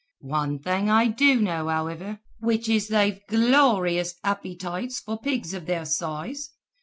Wan thing I do know, howiver, which is they've glorious appytites for pigs of their soize.